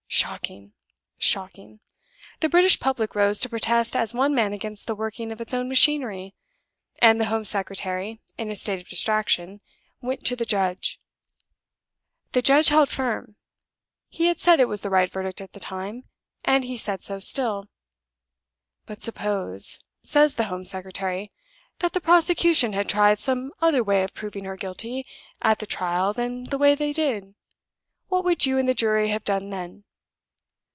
Shocking! shocking! The British Public rose to protest as one man against the working of its own machinery; and the Home Secretary, in a state of distraction, went to the judge. The judge held firm. He had said it was the right verdict at the time, and he said so still. 'But suppose,' says the Home Secretary, 'that the prosecution had tried some other way of proving her guilty at the trial than the way they did try, what would you and the jury have done then?